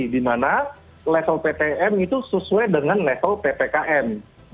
dimana level ptn itu sesuai dengan level ppkn